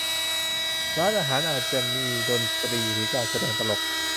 ร้านอาหาร อาจจะมีดนตรีหรือการแสดงตลก